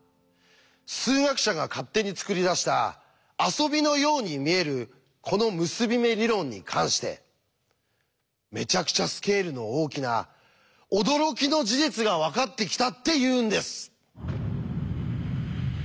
数学者が勝手に作り出した遊びのように見えるこの結び目理論に関してめちゃくちゃスケールの大きな驚きの事実が分かってきたっていうんです！